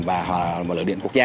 và hoàn thành lợi điện quốc gia